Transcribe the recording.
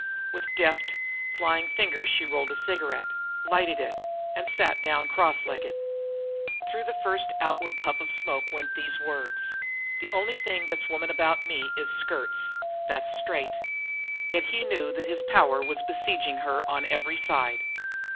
With deft, flying fingers she rolled a cigarette, lighted it, and sat down cross legged. Through the first outward puff of smoke went these words: "The only thing that's a woman about me is skirts. That's straight." Yet he knew that his power was besieging her on every side.